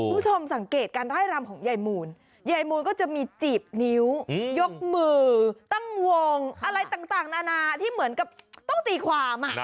คุณผู้ชมสังเกตการไล่รำของยายมูลยายมูลก็จะมีจีบนิ้วยกมือตั้งวงอะไรต่างนานาที่เหมือนกับต้องตีความ